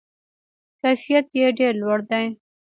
کیفیت یې ډیر لوړ دی.